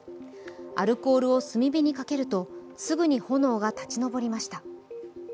アルコールを炭火にかけるとすぐに炎が立ち上がりました。